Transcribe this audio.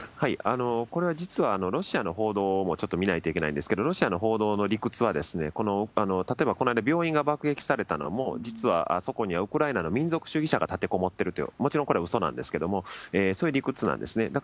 これは実は、ロシアの報道もちょっと見ないといけないんですけど、ロシアの報道の理屈は、例えばこの間、病院が爆撃されたのも、実はそこにはウクライナの民族主義者が立てこもっていると、もちろんこれはうそなんですけれども、そういう理屈なんですね。